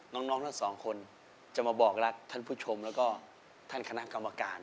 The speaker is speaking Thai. น้องทั้งสองคนจะมาบอกรักท่านผู้ชมแล้วก็ท่านคณะกรรมการ